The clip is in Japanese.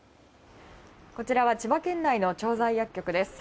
こちらは千葉県内の調剤薬局です。